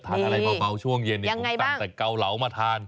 อะไรเบาช่วงเย็นผมสั่งแต่เกาเหลามาทาน